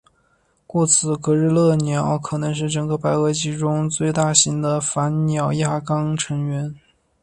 故此格日勒鸟可能是整个白垩纪中最大型的反鸟亚纲成员。